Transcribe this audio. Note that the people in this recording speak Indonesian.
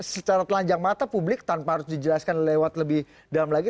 secara telanjang mata publik tanpa harus dijelaskan lewat lebih dalam lagi